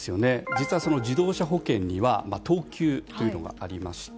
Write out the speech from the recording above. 実は、自動車保険には等級というのがありまして